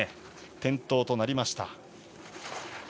転倒となりました。